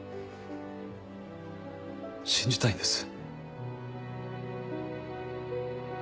信じたいんです。